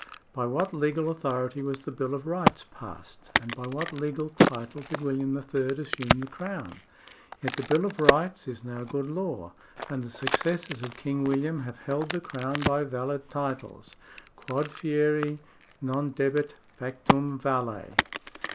By what legal authority was the Bill of Rights passed, and by what legal title did William III. assume the Crown ? Yet the Bill of Rights is now good law, and the successors of King William have held the Crown by valid titles. Quod fieri non debet, factum valet.